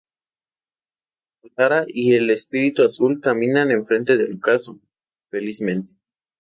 Katara y el Espíritu Azul caminan en frente del ocaso, felizmente.